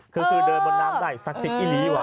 คือคือเดินบนน้ำใดซักสิทธิ์อีลีวะ